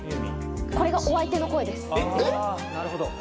これがお相手の声です。